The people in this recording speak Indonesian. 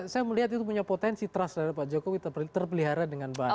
saya melihat itu punya potensi trust dari pak jokowi terpelihara dengan baik